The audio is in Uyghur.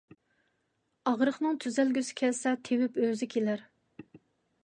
ئاغرىقنىڭ تۈزەلگۈسى كەلسە، تېۋىپ ئۆزى كېلەر.